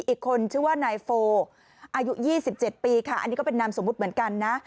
อีกคนชื่อว่านายโฟอายุ๒๗ปีค่ะอันนี้ก็เป็นนามสมมุติเหมือนกันนะ